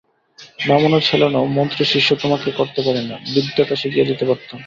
বামুনের ছেলে নও, মন্ত্রশিষ্য তোমাকে করতে পারি না, বিদ্যেটা শিখিয়ে দিতে পারতাম।